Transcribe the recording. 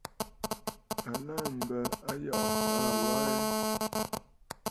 À laà m̀bə Ayɔꞌɔ̀ taa wa aa ɛ?